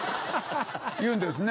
言うんですね。